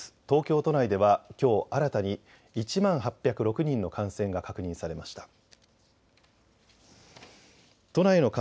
東京都内ではきょう新たに１万８０６人の感染が確認されました。